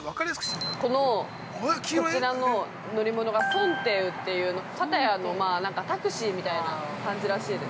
◆こちらの乗り物が、ソンテウというパタヤのタクシーみたいな感じらしいです。